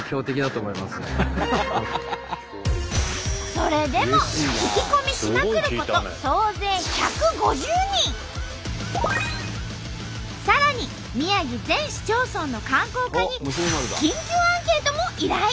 それでも聞き込みしまくることさらに宮城全市町村の観光課に緊急アンケートも依頼！